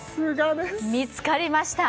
見つかりました